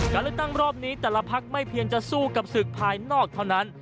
การเลือกตั้งรอบนี้แต่ละพักไม่เพียงจะสู้กับศึกภายนอกเท่านั้น